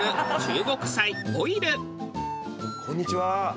こんにちは。